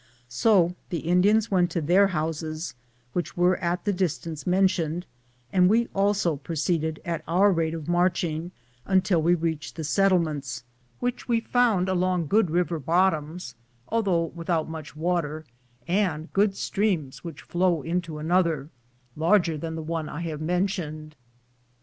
So the Indians went to their houses, which were at the distance mentioned, and we also proceeded at our rate of marching until we reached the settlements, which we found along good river bottoms, although without much water, and good streams which flow into another, larger than the one I have mentioned.